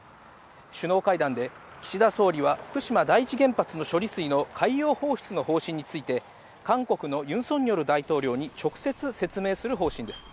首脳会談で岸田総理は福島第一原発の処理水の海洋放出の方針について、韓国のユン・ソンニョル大統領に直接説明する方針です。